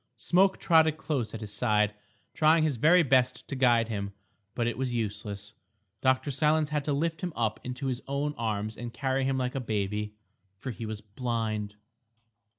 Smoke trotted close at his side, trying his very best to guide him. But it was useless. Dr. Silence had to lift him up into his own arms and carry him like a baby. For he was blind.